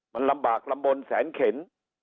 มันลำบากลำบลแสนเข็น